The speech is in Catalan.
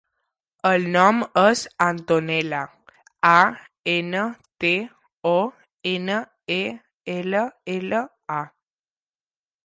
El nom és Antonella: a, ena, te, o, ena, e, ela, ela, a.